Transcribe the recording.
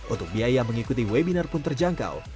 untuk biaya mengikuti webinar pun terjangkau